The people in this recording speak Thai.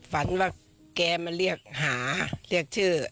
ฝันว่าแกมาเรียกหาเรียกชื่อ